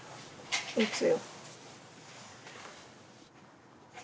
打つよ。